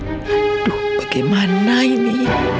aduh bagaimana ini